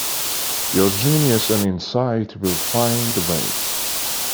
Your genius and insight will find the way.